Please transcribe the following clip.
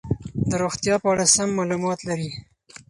د روغتیا په اړه سم معلومات لري.